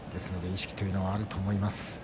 意識というのはあると思います。